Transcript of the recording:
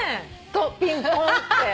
ピンポンって。